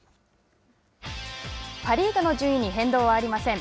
パ・リーグの順位に変動はありません。